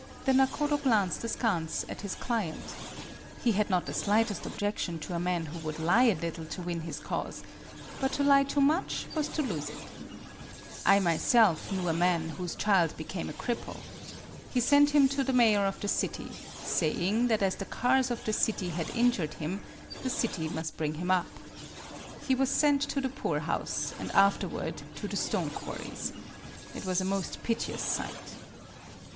The nakodo glanced askance at his client. He had not the slightest objection to a man who would lie a little to win his cause, but to lie too much was to lose it. " I myself knew a man whose child be came a cripple. He sent him to the mayor of the city, saying that as the cars of the 44 MADAME BUTTERFLY city had injured him, the city must bring him up. He was sent to the poorhouse, and afterward to the stone quarries. It was a most piteous sight."